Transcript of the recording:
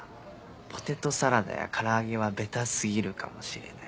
ポテトサラダや唐揚げはベタ過ぎるかもしれない